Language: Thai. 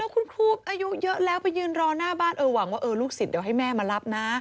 คุณครูอายุเยอะแล้วไปยืนรอหน้าบ้านเออหวังว่าลูกศิษย์เดี๋ยวให้แม่มารับนะ